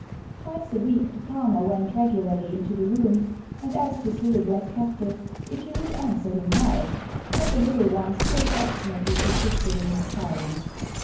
Twice a week the farmer went regularly into the room and asked his little black captive if he would answer him now, but the little one still obstinately persisted in his silence.